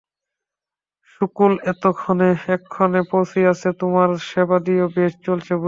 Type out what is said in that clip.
সুকুল এক্ষণে পৌঁছিয়াছে, তোমার সেবাদিও বেশ চলছে বোধ হয়।